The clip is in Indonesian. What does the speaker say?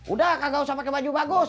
udah kagak usah pake baju bagus